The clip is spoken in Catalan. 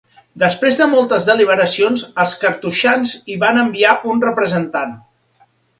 Després de moltes deliberacions, els cartoixans hi van enviar un representant.